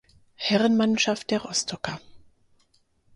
Herrenmannschaft der Rostocker.